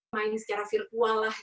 main secara virtual lah